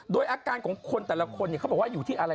โดยอาการของคนแต่ละคนเขาบอกว่าอยู่ที่อะไร